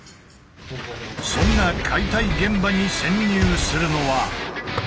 そんな解体現場に潜入するのは。